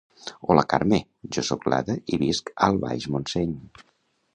Hola Carme, jo soc l'Ada i visc al Baix Montseny